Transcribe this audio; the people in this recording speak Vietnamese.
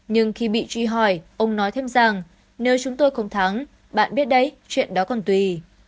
nhưng khi bị truy hỏi ông nói thêm rằng nếu chúng tôi không thắng bạn biết đấy chuyện đó còn tùy